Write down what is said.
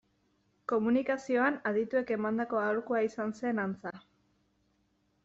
Komunikazioan adituek emandako aholkua izan zen, antza.